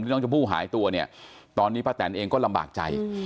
ที่น้องจมูหหายตัวตอนนี้ป้าแตนเองก็ลำบากใจ